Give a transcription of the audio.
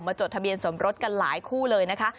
จดทะเบียนสมรสกันหลายคู่เลยนะคะ